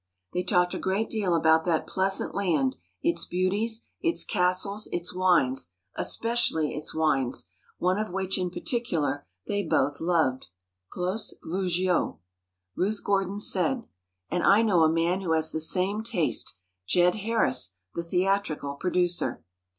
They talked a great deal about that pleasant land, its beauties, its castles, its wines—especially its wines—one of which in particular, they both loved, Clos Veugeot. Ruth Gordon said: "And I know a man who has the same taste: Jed Harris, the theatrical producer."